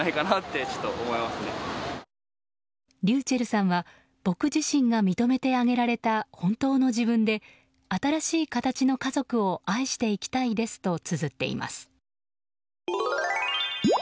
ｒｙｕｃｈｅｌｌさんは僕自身が認めてあげられた本当の自分で、新しい形の家族を愛していきたいですとつづっています。